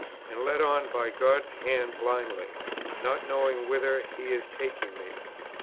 and led on by God's hand blindly, not knowing whither He is taking me."